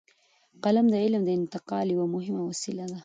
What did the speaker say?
قلم د علم د انتقال یوه مهمه وسیله ده.